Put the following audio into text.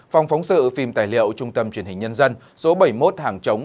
phòng phóng sự phim tài liệu trung tâm truyền hình nhân dân số bảy mươi một hàng chống